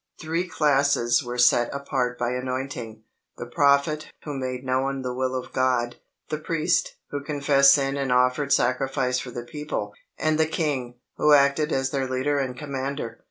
Three classes were set apart by anointing the Prophet, who made known the will of God; the Priest, who confessed sin and offered sacrifice for the people; and the King, who acted as their leader and commander.